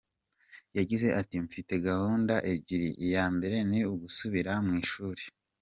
Yagize ati “Mfite gahunda ebyiri, iya mbere ni ugusubira mu ishuri.